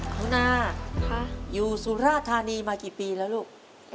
คุณนาอยู่สุราธานีมากี่ปีแล้วลูก